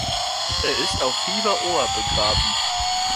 Er ist auf Hiva Oa begraben.